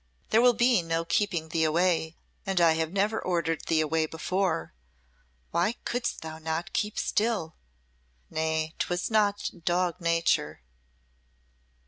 "There will be no keeping thee away, and I have never ordered thee away before. Why couldst thou not keep still? Nay, 'twas not dog nature."